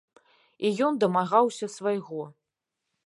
І ён дамагаўся свайго.